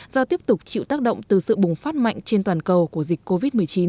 do tiếp tục chịu tác động từ sự bùng phát mạnh trên toàn cầu của dịch covid một mươi chín